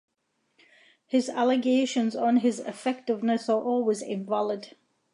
His allegations on his effectiveness are always invalid.